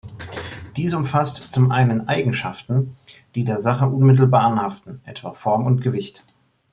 Dies umfasst zum einen Eigenschaften, die der Sache unmittelbar anhaften, etwa Form und Gewicht.